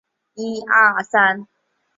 天顺六年壬午科顺天乡试第一名。